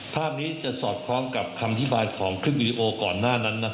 ภาพนี้จะสอดคล้องกับคำอธิบายของคลิปวิดีโอก่อนหน้านั้น